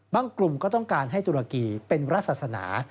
กลุ่มก็ต้องการให้ตุรกีเป็นรัฐศาสนา